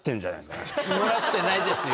漏らしてないですよ。